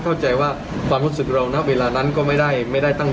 เข้าใจว่าความรู้สึกเรานะเวลานั้นก็ไม่ได้ไม่ได้ตั้ง